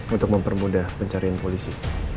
untuk mempermudah pencarian polisi